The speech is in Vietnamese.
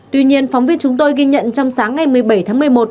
tuy nhiên phóng viên chúng tôi ghi nhận trong sáng ngày một mươi bảy tháng một mươi một